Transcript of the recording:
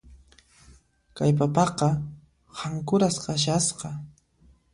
Kay papaqa hankuras kashasqa.